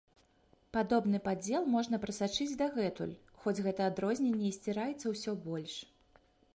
Падобны падзел можна прасачыць дагэтуль, хоць гэта адрозненне і сціраецца ўсё больш.